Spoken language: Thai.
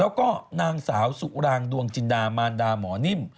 แล้วก็นางสาวสุรางดวงจินดามารดาหมอนิ่ม